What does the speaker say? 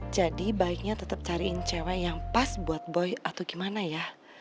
jadi baiknya tetap cariin cewek yang pas buat boy atau gimana ya